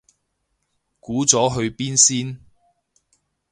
估咗去邊先